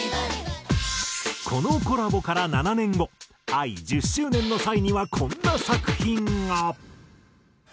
このコラボから７年後ＡＩ１０周年の際にはこんな作品が。